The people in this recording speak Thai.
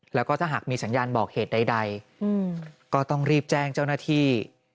แล้วก็ถ้าหากมีสัญญาณบอกเหตุใดก็ต้องรีบแจ้งเจ้าหน้าที่